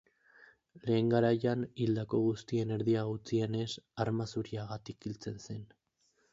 Lehen garaian, hildako guztien erdia gutxienez, arma zuriagatik hiltzen zen.